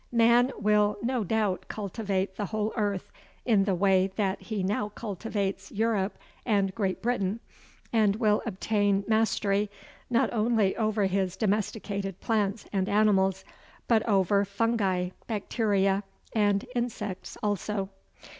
Man will no doubt cultivate the whole earth in the way that he now cultivates Europe and Great Britain, and will obtain mastery not only over his domesticated plants and animals, but over fungi, bacteria, and insects also.